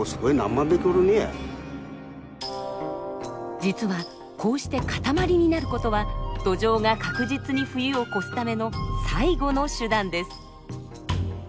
実はこうして塊になる事はドジョウが確実に冬を越すための最後の手段です。